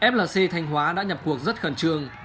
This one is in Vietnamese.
flc thanh hóa đã nhập cuộc rất khẩn trương